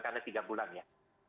karena tiga bulan ya